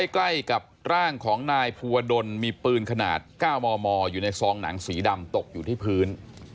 ใกล้กับร่างของนายภูวดลมีปืนขนาด๙มมอยู่ในซองหนังสีดำตกอยู่ที่พื้น